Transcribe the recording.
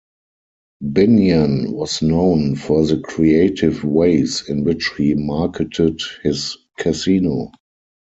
Binion was known for the creative ways in which he marketed his casino.